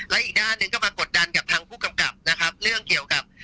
และอีกด้านหนึ่งก็มากดดันกับทางผู้กำกับนะครับเรื่องเกี่ยวกับ